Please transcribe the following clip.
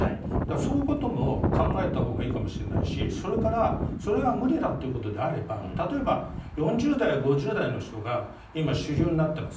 そういうことも考えたほうがいいかもしれないしそれから、それが無理だということであれば例えば、４０代、５０代の人が今、主流になっています。